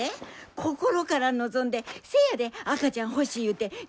心から望んでせやで赤ちゃん欲しい言うて泣いたんやから！